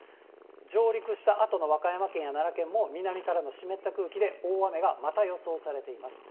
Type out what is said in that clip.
上陸したあとの和歌山県や奈良県も、南からの湿った空気で大雨がまた予想されています。